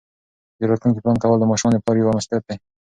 د راتلونکي پلان کول د ماشومانو د پلار یوه مسؤلیت ده.